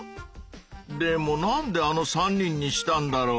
でもなんであの３人にしたんだろう？